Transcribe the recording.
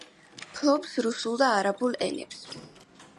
ფლობს რუსულ და არაბულ ენებს.